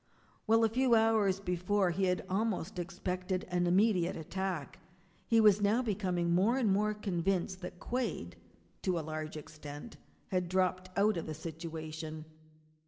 While a few hours before he had almost expected an immediate attack, he was now becoming more and more convinced that Quade, to a large extent, had dropped out of the situation.